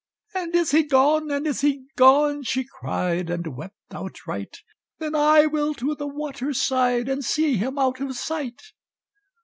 "And is he gone, and is he gone?" She cried, and wept outright: "Then I will to the water side, And see him out of sight."